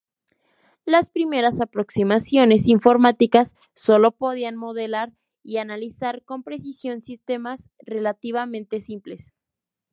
Las primeras aproximaciones informáticas sólo podían modelar y analizar con precisión sistemas relativamente simples.